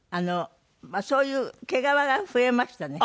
まあそういう毛皮が増えましたね。